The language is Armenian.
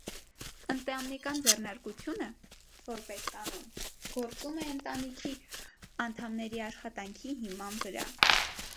Ընտանեկան ձեռնարկությունը, որպես կանոն, գործում է ընտանիքի անդամների աշխատանքի հիման վրա։